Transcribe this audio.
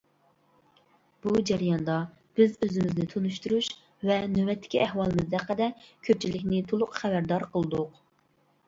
بۇ جەرياندا بىز ئۆزىمىزنى تونۇشتۇرۇش ۋە نۆۋەتتىكى ئەھۋالىمىز ھەققىدە كۆپچىلىكنى تۇلۇق خەۋەردار قىلدۇق .